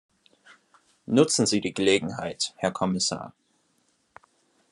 Nutzen Sie die Gelegenheit, Herr Kommissar!